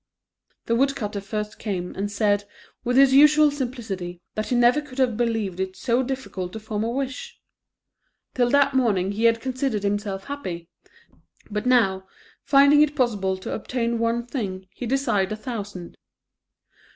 The woodcutter first came, and said, with his usual simplicity, that he never could have believed it so difficult to form a wish. Till that moment he had considered himself happy, but now finding it possible to obtain one thing, he desired a thousand.